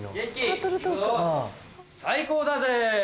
最高だぜ。